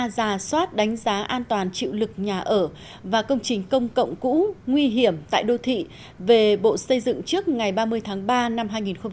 giả soát đánh giá an toàn chịu lực nhà ở và công trình công cộng cũ nguy hiểm tại đô thị về bộ xây dựng trước ngày ba mươi tháng ba năm hai nghìn hai mươi